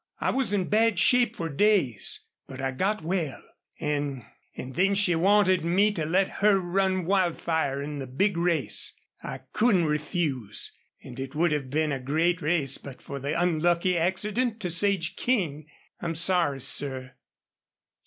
I was in bad shape for days. But I got well an' an' then she wanted me to let her run Wildfire in the big race. I couldn't refuse.... An' it would have been a great race but for the unlucky accident to Sage King. I'm sorry, sir."